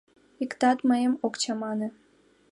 Иктат мыйым ок чамане.